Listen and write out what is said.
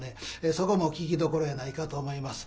そこも聴きどころやないかと思います。